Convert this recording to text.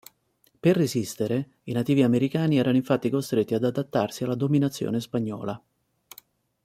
Per resistere, i nativi americani erano infatti costretti ad adattarsi alla dominazione spagnola.